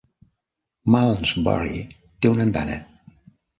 Malmsbury té una andana.